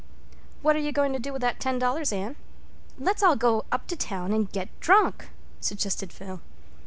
"What are you going to do with that ten dollars, Anne? Let's all go up town and get drunk," suggested Phil.